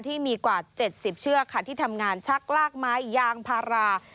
กว่า๗๐เชือกค่ะที่ทำงานชักลากไม้ยางพารา